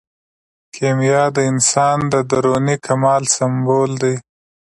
کیمیا د انسان د دروني کمال سمبول و.